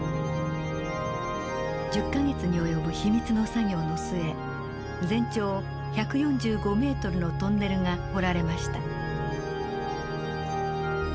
１０か月に及ぶ秘密の作業の末全長１４５メートルのトンネルが掘られました。